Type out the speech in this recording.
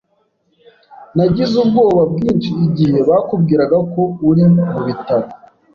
Nagize ubwoba bwinshi igihe bakubwiraga ko uri mu bitaro.